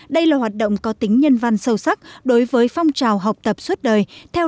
đây là hoạt động có tính nhân văn sâu sắc đối với phong trào học tập suốt đời